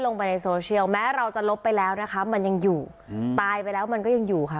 ลงไปในโซเชียลแม้เราจะลบไปแล้วนะคะมันยังอยู่อืมตายไปแล้วมันก็ยังอยู่ค่ะ